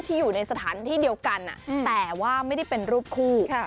อยู่ในสถานที่เดียวกันแต่ว่าไม่ได้เป็นรูปคู่